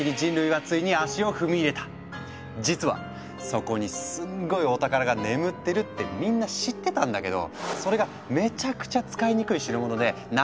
実はそこにすんごいお宝が眠ってるってみんな知ってたんだけどそれがめちゃくちゃ使いにくい代物で長いこと封印していたんだ。